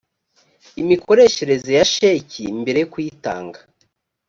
imikoreshereze ya sheki mbere yo kuyitanga